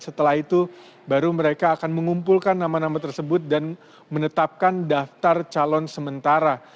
setelah itu baru mereka akan mengumpulkan nama nama tersebut dan menetapkan daftar calon sementara